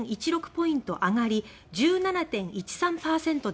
ポイント上がり１７．１３％でした。